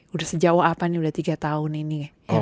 udah sejauh apa nih udah tiga tahun ini